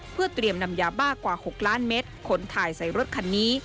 เพื่อเตรียมนำยาบ้ากว่า๖ล้านเมตรขนถ่ายใส่รถคันนี้